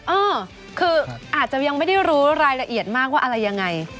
เออคืออาจจะยังไม่ได้รู้รายละเอียดมากว่าอะไรยังไง